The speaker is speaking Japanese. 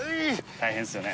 大変ですよね。